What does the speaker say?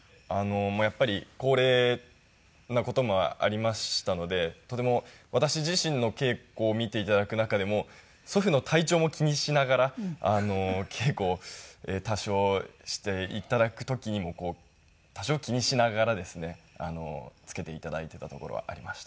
やっぱり高齢な事もありましたのでとても私自身の稽古を見て頂く中でも祖父の体調も気にしながら稽古をして頂く時にも多少気にしながらですねつけて頂いていたところはありました。